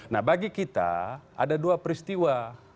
nah bagi kita ada dua peristiwa